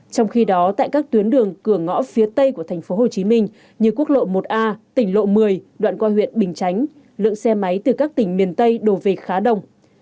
trong khi đó tại các tuyến đường cửa ngõ phía tây của thành phố hồ chí minh như quốc lộ một a tỉnh lộ một mươi đoạn coi huyện bình chánh lượng xe máy từ các tỉnh miền tây đổ về khá đông